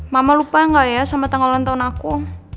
mama lupa gak ya sama tanggal ulang tahun aku